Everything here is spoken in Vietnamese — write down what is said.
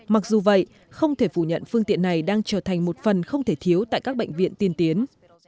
mặc dù vậy không thể phủ nhận phương tiện này đang trở thành một phần không thể thiếu tại các bệnh viện tiên tiến